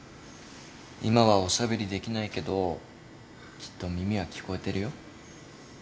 今はおしゃべりできないけどきっと耳は聞こえてるよ。